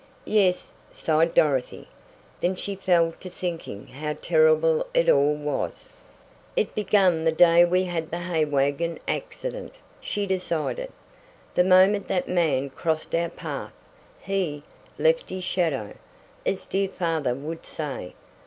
"Yes," sighed Dorothy. Then she fell to thinking how terrible it all was. "It began the day we had the hay wagon accident," she decided. "The moment that man crossed our path he left his shadow, as dear father would say.